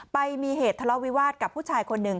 ไปมีเหตุทะเลาะวิวาสกับผู้ชายคนหนึ่ง